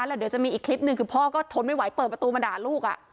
แล้วเดี๋ยวจะมีอีกคลิปหนึ่งคือพ่อก็ทนไม่ไหวเปิดประตูมาด่าลูก